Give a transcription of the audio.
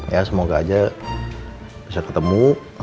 ya semoga aja bisa ketemu